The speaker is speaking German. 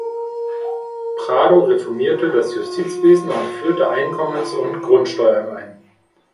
Prado reformierte das Justizwesen und führte Einkommens- und Grundsteuern ein.